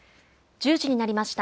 １０時になりました。